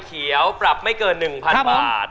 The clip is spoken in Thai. เขียวปรับไม่เกิน๑๐๐๐บาท